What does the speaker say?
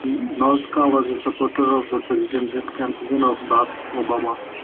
Nolasco was a supporter of the presidential campaign of Barack Obama.